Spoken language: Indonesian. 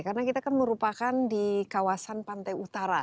karena kita kan merupakan di kawasan pantai utara